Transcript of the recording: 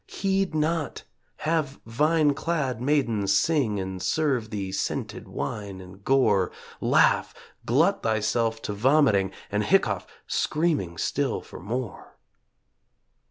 Heed not! Have vine clad maidens sing And serve thee scented wine and gore; Laugh! Glut thyself to vomiting, And hiccough, screaming still for more.